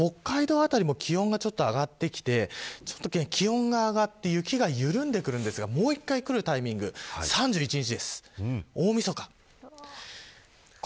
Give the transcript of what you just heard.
辺りも気温がちょっと上がってきて気温が上がって雪が緩んでくるんですがもう１回くるタイミング３１日、大みそかです。